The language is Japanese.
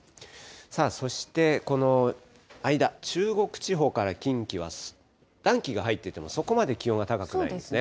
そして、この間、中国地方から近畿は、暖気が入ってても、そこまで気温は高くないですね。